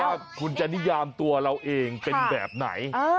ว่าคุณจะนิยามตัวเราเองเป็นแบบไหน